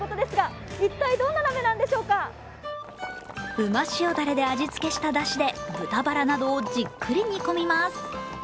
うま塩だれで味付けしただしで、豚バラなどをじっくり煮込みます。